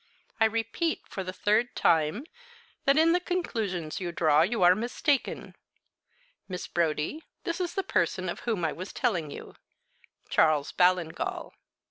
I repeat, for the third time, that in the conclusions you draw you are mistaken. Miss Brodie, this is the person of whom I was telling you Charles Ballingall."